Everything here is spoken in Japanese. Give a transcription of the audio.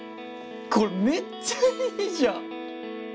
これめっちゃいいじゃん。